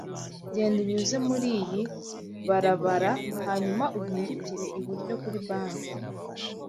Genda unyuze muriyi barabara hanyuma uhindukire iburyo kuri banki.